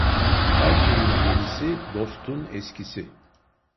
Her şeyin yenisi, dostun eskisi.